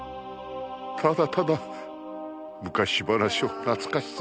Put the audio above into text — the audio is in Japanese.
ただただ昔話を懐かしそうに話して。